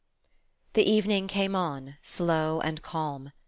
The evening came on, slow and calm.